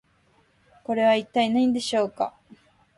これは一体何でしょうか？